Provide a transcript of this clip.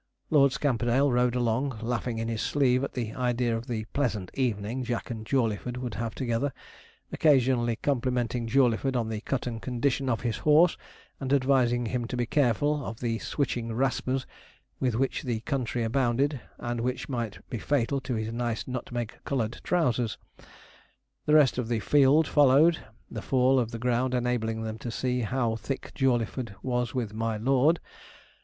Lord Scamperdale rode along, laughing in his sleeve at the idea of the pleasant evening Jack and Jawleyford would have together, occasionally complimenting Jawleyford on the cut and condition of his horse, and advising him to be careful of the switching raspers with which the country abounded, and which might be fatal to his nice nutmeg coloured trousers. The rest of the 'field' followed, the fall of the ground enabling them to see 'how thick Jawleyford was with my lord.'